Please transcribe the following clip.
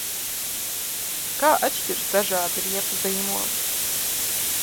Kā atšķiras dažādi riepu zīmoli?